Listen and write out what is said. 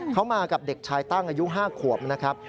เขามากับเด็กชายตั้งอายุ๕ขวบนะครับ